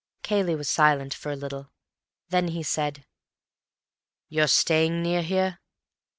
Cayley was silent for a little. Then he said, "You're staying near here?"